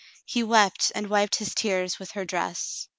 He wept and wiped his tears with her dress.